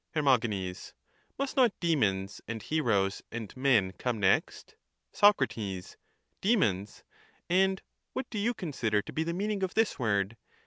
Her. Must not demons and heroes and men come next? Sac. Demons! And what do you consider to be the mean ing of this word?